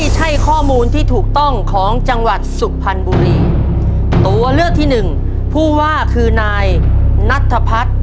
สุขภัณฑ์บุรีตัวเลือกที่หนึ่งผู้ว่าคือนายนัทภัทร